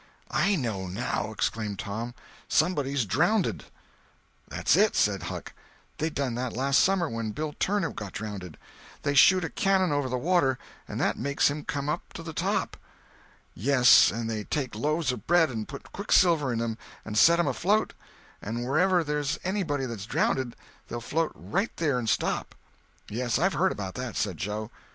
"I know now!" exclaimed Tom; "somebody's drownded!" "That's it!" said Huck; "they done that last summer, when Bill Turner got drownded; they shoot a cannon over the water, and that makes him come up to the top. Yes, and they take loaves of bread and put quicksilver in 'em and set 'em afloat, and wherever there's anybody that's drownded, they'll float right there and stop." "Yes, I've heard about that," said Joe.